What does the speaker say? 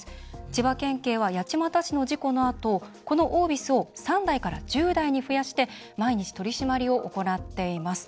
千葉県警は八街市の事故のあとこのオービスを３台から１０台に増やして毎日、取り締まりを行っています。